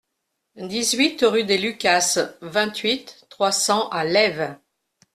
dix-huit rue des Lucasses, vingt-huit, trois cents à Lèves